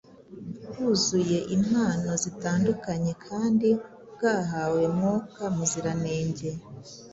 bwuzuye impano zitandukanye kandi bwahawe Mwuka Muziranenge.